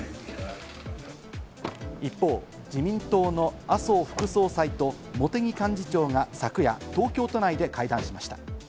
一方、自民党の麻生副総裁と茂木幹事長が昨夜、東京都内で会談しました。